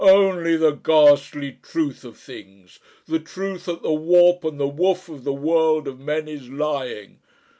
"Only the ghastly truth of things the truth that the warp and the woof of the world of men is Lying.